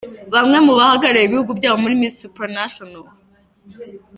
Bamwe mu bahagarariye ibihugu byabo muri Miss Supranational:.